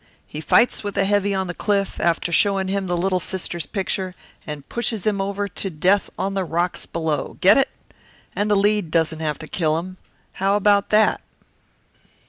He fights with the heavy on the cliff, after showing him the little sister's picture, and pushes him over to death on the rocks below get it? And the lead doesn't have to kill him. How about that?"